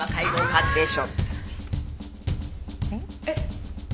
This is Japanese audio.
えっ。